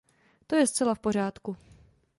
To je zcela v pořádku.